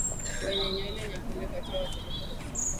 wenye nywele nyekundu kati ya Waturuki Hasa